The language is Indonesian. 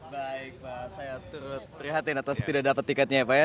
baik pak saya turut prihatin atas tidak dapat tiketnya ya pak ya